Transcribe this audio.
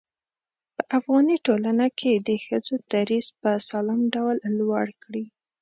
په افغاني ټولنه کې د ښځو دريځ په سالم ډول لوړ کړي.